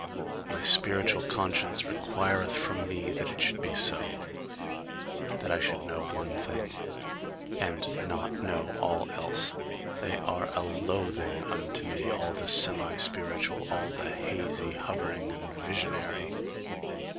My spiritual conscience requireth from me that it should be so that I should know one thing, and not know all else: they are a loathing unto me, all the semi spiritual, all the hazy, hovering, and visionary.